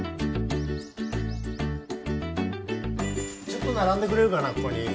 ちょっと並んでくれるかなここに。